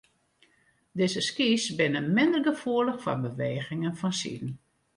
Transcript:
Dizze skys binne minder gefoelich foar bewegingen fansiden.